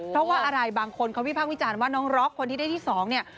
เพราะว่าอะไรบางคนเขาวิพากษ์วิจารณ์ว่าน้องร็อกคนที่ได้ที่๒เนี่ย